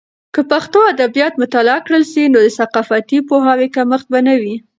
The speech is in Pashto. که پښتو ادبیات مطالعه کړل سي، نو د ثقافتي پوهاوي کمښت به نه وي.